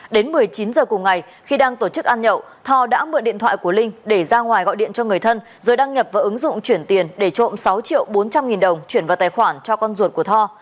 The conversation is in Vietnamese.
đến một mươi chín h cùng ngày khi đang tổ chức ăn nhậu thò đã mượn điện thoại của linh để ra ngoài gọi điện cho người thân rồi đăng nhập vào ứng dụng chuyển tiền để trộm sáu triệu bốn trăm linh nghìn đồng chuyển vào tài khoản cho con ruột của tho